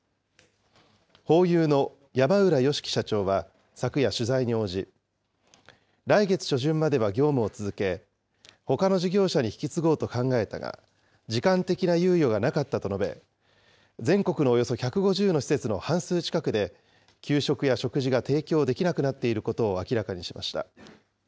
ホーユーの山浦芳樹社長は昨夜、取材に応じ、来月初旬までは業務を続け、ほかの事業者に引き継ごうと考えたが、時間的な猶予がなかったと述べ、全国のおよそ１５０の施設の半数近くで、給食や食事が提供できなくなっていることを明らかにしました。